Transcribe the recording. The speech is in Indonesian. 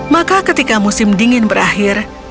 maka ketika musim dingin berakhir